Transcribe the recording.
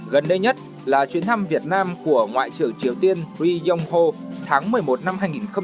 gần đây nhất là chuyến thăm việt nam của ngoại trưởng triều tiên ri yong ho tháng một mươi một năm hai nghìn một mươi tám